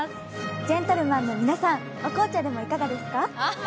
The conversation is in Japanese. ジェントルマンの皆さん、お紅茶でもいかがですか？